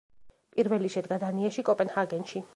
პირველი შედგა დანიაში, კოპენჰაგენში.